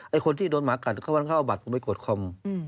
ไอ้คนที่โดนหมากันเขาวันเข้าบัตรผมไปกดคอม